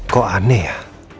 kok aneh ya